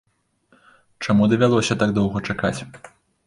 Чаму давялося так доўга чакаць?